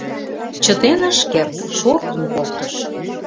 Чытен ыш керт, шортын колтыш.